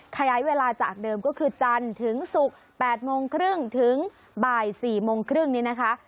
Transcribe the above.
ขยายเวลาจากเดิมก็คือจันทร์ถึงศุกร์๘โมงครึ่งถึงบ่าย๔โมงครึ่งนี้นะคะ